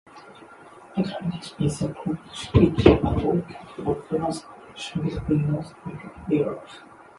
Atlanticism is a philosophy which advocates for close cooperation between North America and Europe.